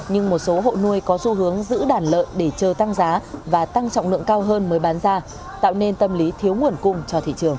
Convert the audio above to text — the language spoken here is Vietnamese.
nhưng một số hộ nuôi có xu hướng giữ đàn lợn để chờ tăng giá và tăng trọng lượng cao hơn mới bán ra tạo nên tâm lý thiếu nguồn cung cho thị trường